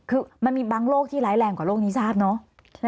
คือมันมีบางโรคที่ร้ายแรงกว่าโรคนี้ทราบเนอะ